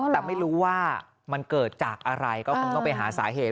แต่ไม่รู้ว่ามันเกิดจากอะไรก็คงต้องไปหาสาเหตุ